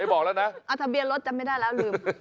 บอกแล้วนะทะเบียนรถจำไม่ได้แล้วลืม